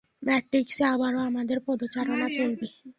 ম্যাট্রিক্সে আবারও আমাদের পদচারণা চলবে!